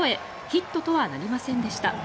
ヒットとはなりませんでした。